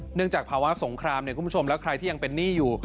เนื่องจากภาวะสงครามคุณผู้ชมและใครที่ยังเป็นหนี้อยู่